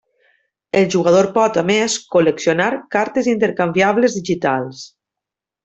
El jugador pot, a més, col·leccionar cartes intercanviables digitals.